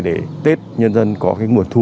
để tết nhân dân có nguồn thu